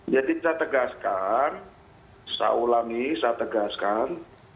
jadi saya tegaskan saya ulangi saya tegaskan